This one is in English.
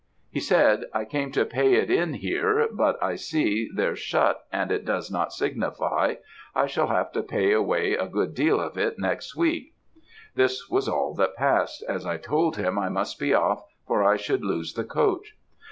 He said, 'I came to pay it in here, but I see they're shut, and it does not signify; I shall have to pay away a good deal of it next week;' this was all that passed, as I told him I must be off for I should lose the coach.